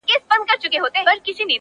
زما خو ټوله زنده گي توره ده!!